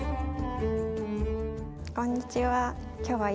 こんにちは。